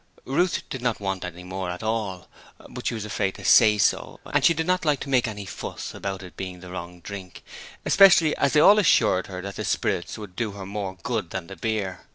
Ruth did not want any more at all, but she was afraid to say so, and she did not like to make any fuss about it being the wrong drink, especially as they all assured her that the spirits would do her more good than beer.